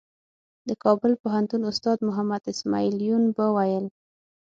د کابل پوهنتون استاد محمد اسمعیل یون به ویل.